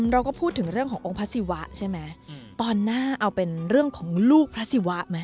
เราก็พูดถึงเรื่องขององค์พระศิวะใช่ไหมตอนหน้าเอาเป็นเรื่องของลูกพระศิวะไหม